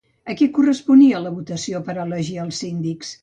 A qui corresponia la votació per a elegir els síndics?